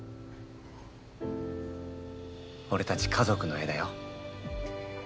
俺たち家族の絵だよ。